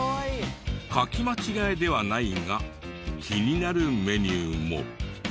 書き間違えではないが気になるメニューも。